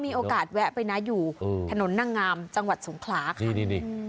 มีโอกาสแวะไปนะอยู่ถนนนางามจังหวัดสงขลาค่ะ